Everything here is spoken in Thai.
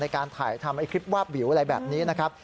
การถ่ายทำคลิปวาบวิวอะไรแบบนี้นะครับ